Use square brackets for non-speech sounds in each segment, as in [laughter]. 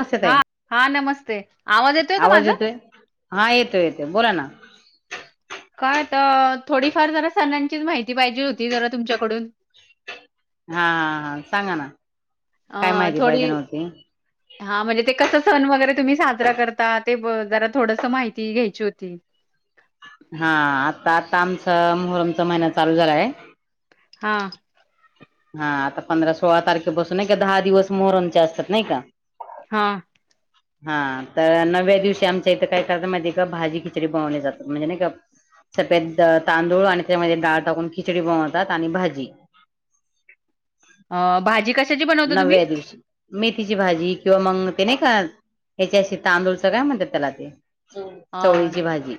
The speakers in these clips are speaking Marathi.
नमस्ते हा ताई हा नमस्ते, आवाज येतोय का माझा? हा येतोय येतोय, बोला ना. ह काय तर थोडीफार जरा सणांचीच माहिती पाहिजे होती जरा तुमच्याकडून हा हा हा सांगा ना अ काय माहिती पाहिजे थोडी नव्हती हा म्हणजे ते कस वगैरे तुम्ही साजरा करतात ज थोडस माहिती घ्यायची होती हा आता आता आमचं मोहरमचा महिन चालू झालाय हा हा आता पंधरा सोळा तारखे बसून नाही का दहा दिवस मोहरंचे असतात नाही का हा हा तर नव्या दिवशी आमच्या इथं काय करता माहितीे का भाजी किती करी बनवली जात म्हणजे नाही का सेत तांदूळ आणि त्यामध्ये डाळ टाकून खिचडी बनवतात आणि भाजी अ भाजी कशी नव्व्या दिवशी मेथीची भाजी किंवा मग ते नाही का ह्याच्याशी तांदूळच काय म्हणतात त्याला ते अ चवळीची भाजी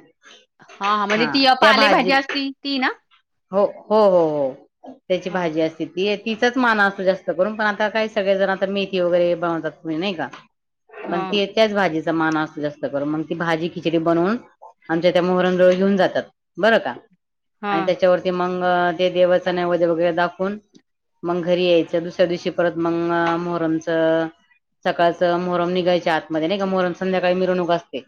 हा म्हणजे ती अ त्या भाजी पालेभाजी असती ती ना हो हो हो हो त्याची हा भाजी असते ती येत हिचाच मान असू जास्त कररून पण आता काही सगळेजण आता मेथी वगैरे बनतात नाही का हा पण ती येत्याच भाजी मान असत जास्त कर मग ती भाजी खिचडी बनवून आमच्या त्या मोहरंजवळ घेऊन जातात बरं का हा आणि त्याच्यावरती मंग अ ते देवच नैवेद्य वगैरे दाखवून मग घरी यायचं दुसर च्या दिवशी परत मग मोहरमच सकाळचं मोहरम निघायचे आतमध्ये नाही का मोहरम संध्याकाळी मिरवणूक असते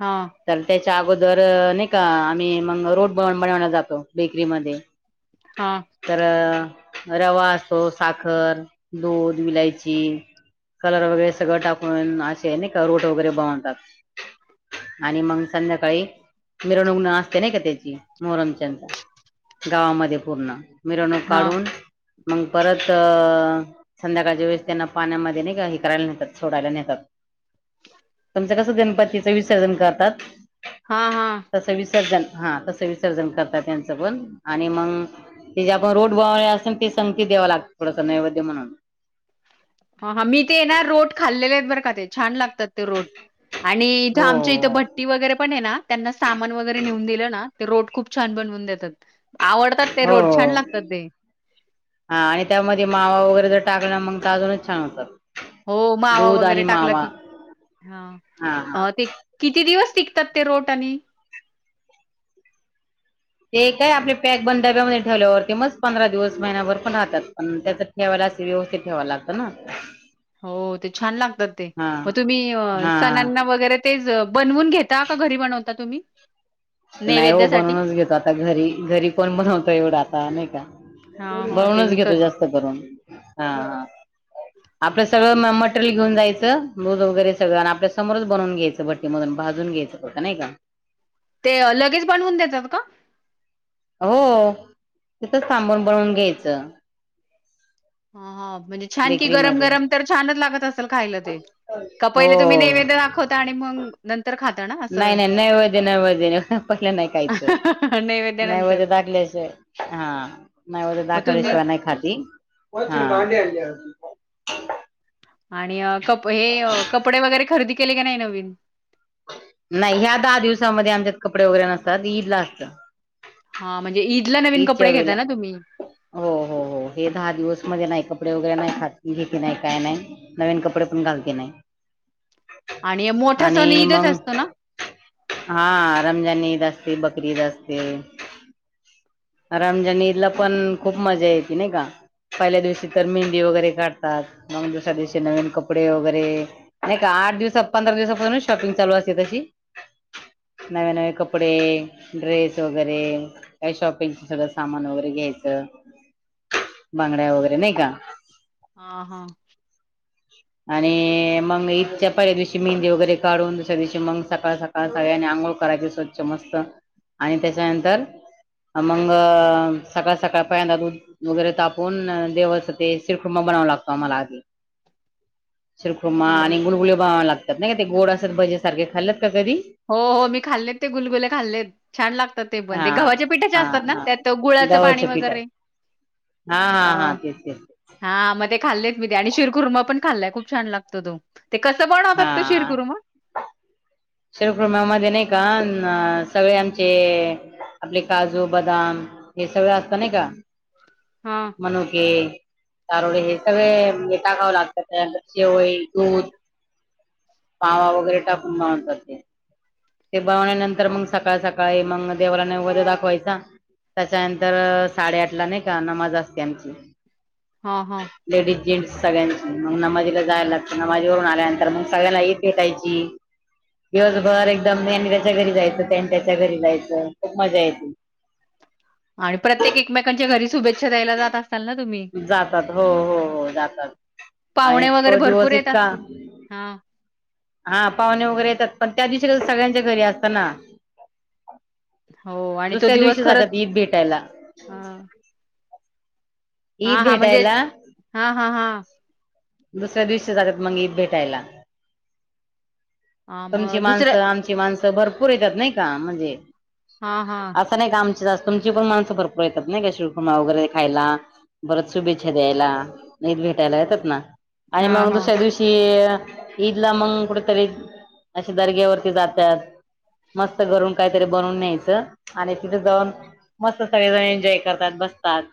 हा चालते चा अगोदर नाही का आम्ही मग रोट बनवला जातो बेकरीमध्ये हा तर रवा असो सात खर दूध मवलायची कलर वगैरे सगळं टाकून असे ना का रोट वगैरे बनवतात आणि मग संध्याकाळी मिरणूक असते ना का त्याची मोहरमचंद गावामध्ये पूर्ण मिरवणूक हा काढून मग परत तर संध्याकाळच्या वेळेस त्यांना पाण्यामध्ये नाही हे करायला नेतात सोडायला नेतात कसं गणपतीच विसर्जन करतात हा हा तस विसर्जन हा तसं विसर्जन करतात त्यांचं पण आणि मग ते जे आपण रोड बले असेल ते संगती द्यावा लाग एथड स नैवध्य म्हणा. ह हा मी ते रोट खाल्लेले आहेत बरं का ते छान लागतात ते रोट आणि इथं हो आमच्या इथं भट्टी वगैरे पण आहे ना. त्यांना सामान वगैरे नेऊन दिलं ना ते रोट खूप छान बनवून देतात. आवडतात ते हो रोट छान लागतात ते हा आणि त्यामध्ये मावा वगैरे जर टा मग अजूनच छान होतात. हो मावा दूध आणि वगैरे टाकला मावा की हा ह हा ते किती दिवस टिकतात ते रोट आणि ते काय आपले पॅक बन ाब्यामध्ये ठेवल्यावरती मच पंधरा दिवस महिन्याभर पण राहतात पण त्याच ठेवायला असे व्यवस्थित ठेवायला लागत ना. हो ते छान लागतात. ते हा म तुम्ही हा सणांना वगैरे तेच बनवून घेता का घरी बनवता तुम्ही नाही हो नैवेद्यासाठी बनवूनच घेतो आता घरी घरी पण बनवतो एवढं आता नाही का हा हा ते बनवूनच घेतो विकत जास्त करून हा आपलं सगळं मटरेल घेऊन जायचं दूध वगैरे सगळं आणि आपल्या समोरच बनवून घ्यायचं. भट्टीमधून भाजून घ्यायचं नाही का ते लगेच बनवून देतात का. हो तिथंच थांबून बनवून घ्यायच. हा म्हणजे छान की गरम गरम तर छानच लागत असेल. खायला ते का हो पहिले तुम्ही नैवेद दाखवता. आणि मग नंतर खात नाही नाही नैवद्य नैवद पहिलं नाही कायच नैवेद्यानंतर नैवद्य दाखल्याशि हा नैवद्य मग तुम्ही दाखवल्याशिवाय नाही खाती आ आणि अ कंप ऐ कपडे वगैरे खरेदी केले का नाही नवीन नाही ह्या दहा दिवसामध्ये आमच्यात कपडे वगैरे नसतात ईदला असतात. हा म्हणजे ईदला नवीन ईदच्या कपडे वेळी घेता ना तुम्ही हो हो हो हे दहा दिवस मध्ये नाही कपडे वगैरे नाही खात घेत नाही काय नाही नवीन कपडे पण घालती नाही. आणि मोठा सण आणि ईदच मग असतो ना? हा रमजनी ईद अ बकरी ईदअसते. रमजान ईदला पण खूप मजा येते नाही का पहिल्या दिवशी तर मेहंदी वगैरे काढतात. मग दुसऱ्या दिवशी नवीन कपडे वगैरे नाही का आठ दिवस पंधरा दिवसापासून शॉपिंग चालू असते तशी नवे नवे कपडे ड्रेस वगैरे काही शॉपंग पिहले सामान वगैरे घ्यायचं बांगड्या वगैरे नाही का हा हा आणि मग ईदच्या पहिल्या दिवशी मेहंदी वगैरे काढून दुसऱ्या दिवशी मग सकाळ सकाळ सकाळने आंघोळ करायचे, स्वच्छ मस्त आणि त्याच्यानंतर मग सकाळ सकाळ पहिल्यांदा दूध वगैरे तापून देवाचं ते शीर कुंभा बनावं लागतो आम्हाला आधी शीर कुंभा हा आणि गुलगुली बनवावे लागतात. नाही का ते गोड असत भजे सारखे खालेत हो हो मी खाल्लेत ते गुलगुले खाल्लेत छान लागतात. ते पण हा गव्हाच्या पिठाच्या हा असतात ना हा त्यात गुळाच पाणी गव्हाच्या पिठात वगैरे हा अ हा हा तेच तेच हा मग ते खालेत मी ते आणि शिरकुभा पण खाल्लाय खूप छान लागतो तो ते कसं बनवतात ते शीरखुर्मा शीर कुंभा मधे नाही का सगळे आमचे आपले काजू बदाम हे सगळं असत नाही का हा मनुके चारोळे हे सगळे टाकावं लागतात त्यांतर शेवई दूध पावा वगैरे टाकून बनवतात. ते ते बनवल्यानंतर मग सकाळ सकाळी मग देवाला नैवेद्य दाखवायचा त्याच्यानंतर साडेआठला नाही का नमाज असते आमची हा हा लेडीज जेंट्स सगळ्यांनी नमाजला जायला लागत नमाजवरून आल्यानंतर मग सगळ्यांना भेटायची दिवसभर याच्या घरी जायच त्यानी त्याच्या घरी जायचं खूप मजा येते आणि प्रत्येक एकमेकांच्या घरी शुभेच्छा द्यायला जातात जातात हो हो हो जातात आणि पाहुणे वगैरे तो भरपूर दिवस येत इतका असतील. हां, हा पाहुणे वगैरे येतात पण त्या दिवशी सगळ्यांच्या घरी असतना हो आणि तो दुसऱ्या दिवस दिवशी जगात खरंच ईद भेटायला हा ईद हा म्हणजे भेटायला हा हा हा दुसऱ्या दिवशी जाता मग ईद भेटायला हां, मग तुमची दुसरं माणसं आमची माणसं भरपूर येतात नाही का म्हणजे हां, हां, असं नाही का आमच जास्त तुमची पण माणसं भरपर येतात नाही का शीर कुंबा वगैरे खायला परत शुभेच्छा द्यायला न भेटायला येतात ना आणि हां, मग हां. दुसऱ्या दिवशी ईदला मग कुठेतरी अ दर्ग्यावरती जातात मस्त घरून काहीतरी बनवून न्यायचं आणि तिथे जाऊन मस्त सगळेजण एन्जॉय करतात बसतात.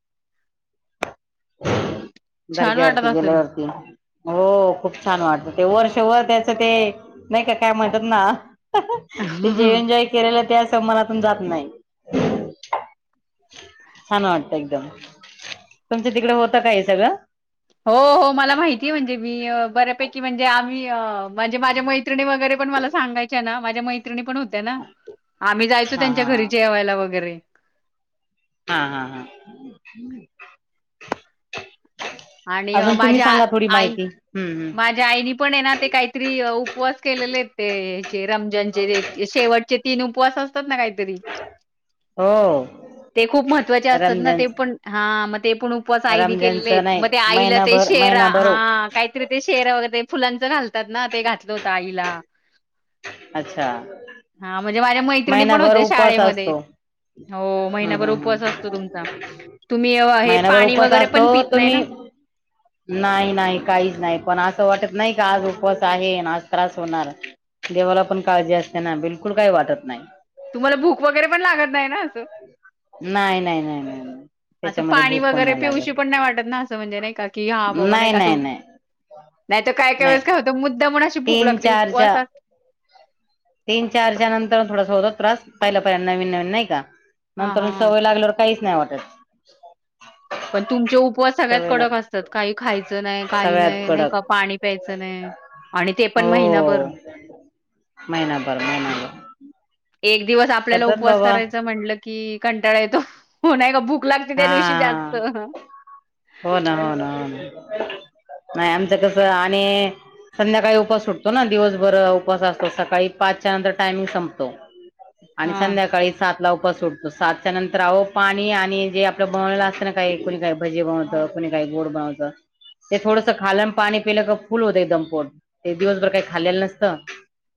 [unintelligible] छान वाटत दर्ग्यावरती असेल. गेल्यावरती हो खूप छान वाटत ते वर्ष वर त्याचं ते नाही का काय म्हणतात ना ते जे एन्जॉय कराल्यात त्या स मनातून जात नाही छान वाटत एकदम तुमचं तिकडे होतं का हे सगळं हो हो मला माहिती आहे म्हणजे मी बऱ्यापैकी म्हणजे आम्ही म्हणजे माझ्या मै मैत्रिणी वगैरे पण मला सांगायच्या ना माझ्या मैत्रिणी पण होत्या होत्या ना आम्ही जायचो हा त्यांच्या हा घरी हा. जेवायला वगैरे हा हा हा आणि अजून तुम्ही माझ्या सांगा थोडी आई माहिती हम्म हम्म माझ्या आईनी पण आहे ना ते काहीतरी उपवास केलेले ते ते रमजानचे शेवटचे तिन ऊपवास असताना ना काहीतरी? हो. खूप महत्तवाचे असतात ना रमजान ते पण ह म ते पण उपवास आईने रमजानच केलेले नाही मग ते आईला ते महिनाभर शेरा महिनाभर हा काहीतरी ते शेरा वगैरे फुलांच घालं तात ना ते घातलं होत आई ला अच्छा हा म्हणजे माझ्या मैत्रिणी पण महिनाभर होते, शाळेमध्ये हो हम् महिनाभर हम् उपवास असतो तुमचा ह तुम्ही अ, हे महिनाभर पाणी उपवास वगैरे असतो पण पित नाही तुम्ही ना नाही नाही काहीच नाही पण असं वाट त नाही का आज उपवास आहे आज त्रास होणार. देवाला पण काळजी असते ना बिलकुल काही वाटत नाही. तुम्हाला भूक वगैरे पण लागत नाही ना? अस नाही नाही नाही नाही नाही असं त्याच्यामध्ये पाणी भूक पण वगैरे नाही पिवूशी लागत पण नाही वाटत ना? असं म्हणजे नाही का की हा बाबा नाही का असं नाही त काय काय नाही वेळेस का होत मुद्दाम हून तीन चार च्या तीन चार च्या नंतर होतो त्रास पहिला पहिला नवीन नवीन नाही का! हां, नंतर हां, हां. सवय लागल्यावर काहीच नाही वाटत. पण तुमचे उपवास सगळ्यात सवय लाग कडक असतात? काही, खायचं नाही काही सगळ्यात नाही नाही कडक पाणी प्यायचं नाही, आणि ते पण हो महिनाभर. महिनाभर महिनाभर. एक दिवस आपल्याला करतात उपवास बाबा करायचा म्हटलं की कंटाळा येतो. हो नाय का भूक लागते हा त्या दिवशी हा जास्त हो ना हो ना हो. नाही आमचं कस आणि संध्याकाळी उपास सुटतो ना दिवसभर उपसा असतो सकाळी पाचच्या नंतर टायमिंग संपतो. आणि हां, संध्याकाळी सात ला उपवास सुटतो साातच्या नंतर आहो पाणी आणि जे आपलं बनवलेलं असत ना काही कोणी काय भजे बनवतो! कुणी काही गोड बवचं ते थोडस खा पाणी पिलं क फुल होतं एक दमपोट ते दिवसभर काही खाल्लं नसतं.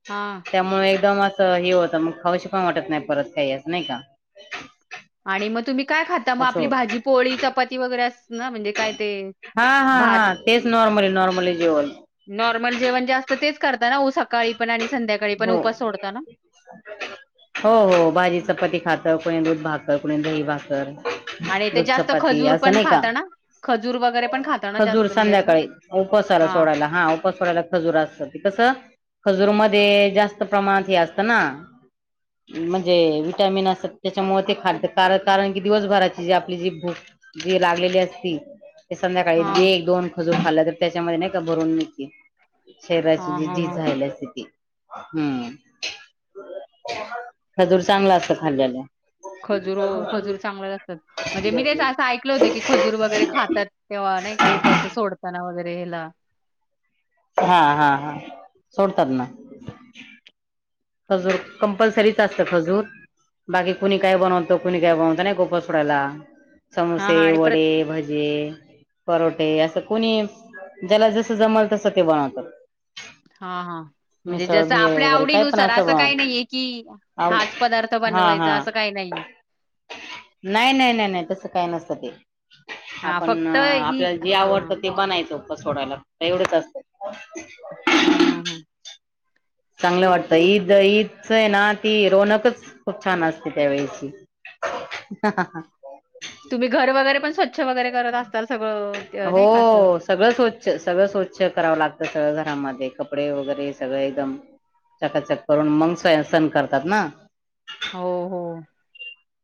हां. त्यामुळे एकदम अस हे होत मग खावाशी पण वाटत नाही परत खई असं नाय का! आणि मग तुम्ही काय खाता? मग असं आपली होतं भाजी पोळी चपाती वगैरे ना म्हणजे काय ते हा हा हा भात तेच नॉर्मली नॉर्मली जेवन. तर तेच करता ना सकाळी पण आणि संध्याकाळी पण हो उपवास सोडता ना? हो हो भाजी चपती खात तर कोणी दूध भाकरर कोणी दही भाकर आणि ते दुध जास्त चपाती खजूर असं पण नाही का खाता ना? खजूर वगैरे पण खाता ना खजूर जास्त म्हणजे असं? संध्याकाळी उपसाला हां सोडायला हा उपस सोडायला खजूर असत ते कस हजुरमत म जास्त प्रमाणात हे असत ना म्हणजे विटॅमिन असतात त्याच्यामुळे ते खाल कार कारण की दिवसभराची जी आपली जी भूक जी लागलेली असती ते संध्याकाळी हां. एक दोन हजू खाल्ला तर त्याच्यामध्ये नाही का भरून नकी शरीराची हां जी हां झी हां. झायला असि तती हम्म खजूर चांगला असत खाल्ल्याला खजूर हो खजूर चांगलंच असतात म्हणजे मी तेच असं ऐकलं होत की खजूर वगैरे खातात तेव्हा नाही का उपासं सोडताना वगैरे वेला हा हा हा सोडतात ना खजूर कंपल्सरीच असत खजूर बाकी कुणी काय बनवतं कुणी काय बनवत नाही गोप सोडायला हां समोसे हां आणि प्रत वडे भजे परोठे असं कोणी ज्याला जस जमल तस ते बनवतात हा हा म्हणजे मिसळ जस भेळ आपल्या वगैरे काय आवडीनुस पण सर असं काही बनव नाहीे की हाच पदार्थ हा हा बनवायचा असं काही नाहीे नाही नाही नाही नाही तसं काय नसतं ते आपण इ आपल्याला जे हां. आवडतं ते बनायचो सोडायला तर एवढेच असत हा हम् हम् चांगलं वाटतं ईद ईदच आहे ना ती रोनकच खूप छान असते त्यावेळेची तुम्ही घर वगैरे पण स्वच्छ वगैरे करत असताल सगळं ते नाही का असं? हो सगळं स्वच्छ सगळं स्वच्छ करावं लागत सगळ घरामध्ये कपडे वगैरे सगळे एकदम चकाचक करून मंग सयसन करतात ना हो हो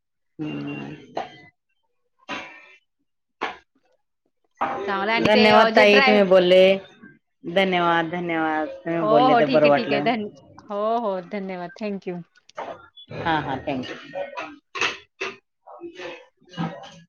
हम्म चांगलं आणि ते अ, धन्यवाद जे ताई ड्राय तुम्ही बोलले धन्यवाद धन्यवाद तुम्ही हो बोलले हो तर ठीक बरं आहे ठीक आहे वाटलं ध हो हो धन्यवाद थँक यू हा हा थँक्यू